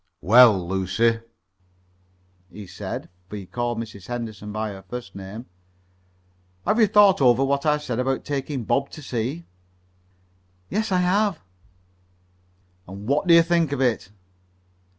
"Well, Lucy," he said, for he called Mrs. Henderson by her first name, "have you thought over what I said about taking Bob to sea?" "Yes, I have." "And what do you think of it?"